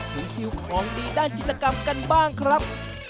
ดูคิวของดีด้านจิตกรรมกันบ้างครับ